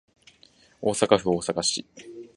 大阪府大阪市